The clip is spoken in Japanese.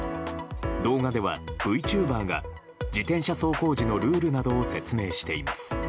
動画では、Ｖチューバーが自転車走行時のルールなどを説明しています。